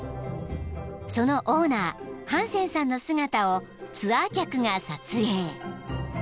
［そのオーナーハンセンさんの姿をツアー客が撮影］